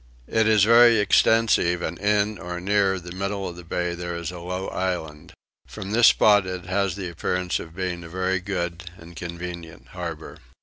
It is very extensive and in, or near, the middle of the bay there is a low island. From this spot it has the appearance of being a very good and convenient harbour.